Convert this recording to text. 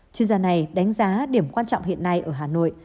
chuyên gia này đánh giá điểm quan trọng hiện nay ở hà nội